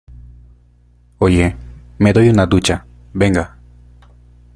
oye, me doy una ducha. venga .